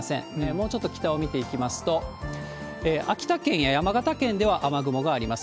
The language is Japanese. もうちょっと北を見ていきますと、秋田県や山形県では雨雲があります。